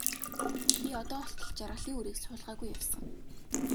Би одоо болтол жаргалын үрийг суулгаагүй явсан.